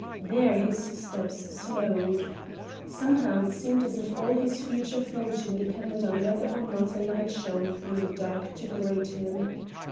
There his steps slowed. Somehow it seemed as if all his future fortune depended upon whether or not a light shone through the dark to greet him.